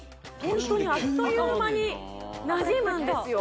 ホントにあっという間になじむんですよ